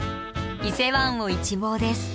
伊勢湾を一望です。